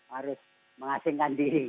harus mengasingkan diri